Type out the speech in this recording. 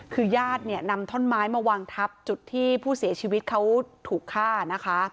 คือญาติเนี่ยนำท่อนไม้มาวางทับจุดที่ผู้เสียชีวิตเขาถูกฆ่านะคะ